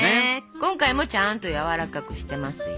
今回もちゃんとやわらかくしてますよ。